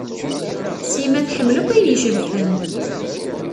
Sima tḥemmel akk ayen icebḥen.